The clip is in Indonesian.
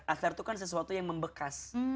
akhtar itu kan sesuatu yang membekas